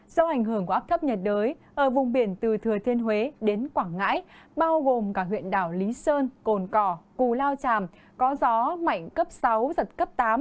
do ảnh hưởng của áp thấp nhiệt đới ở vùng biển từ thừa thiên huế đến quảng ngãi bao gồm cả huyện đảo lý sơn cồn cỏ cù lao tràm có gió mạnh cấp sáu giật cấp tám